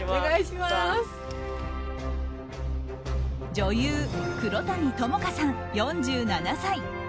女優・黒谷友香さん、４７歳。